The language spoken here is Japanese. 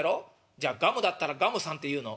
「じゃあガムだったらガムさんって言うの？」。